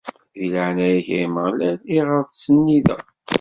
D leɛnaya-k, ay Ameɣlal, iɣer ttsennideɣ.